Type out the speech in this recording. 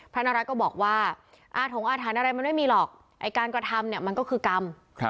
นรัฐก็บอกว่าอาถงอาถรรพ์อะไรมันไม่มีหรอกไอ้การกระทำเนี่ยมันก็คือกรรม